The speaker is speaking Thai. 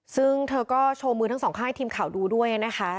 ซึ่งเธอก็โชว์มือทั้งสองข้างให้ทีมข่าวดูด้วยนะคะ